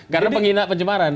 karena penghina penjemaran